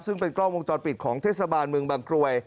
ซึ่งเป็นกล้องวงจรปิดของเทศบาลเมืองบางกรวย